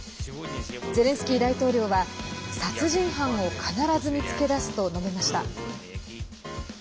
ゼレンスキー大統領は殺人犯を必ず見つけ出すと述べました。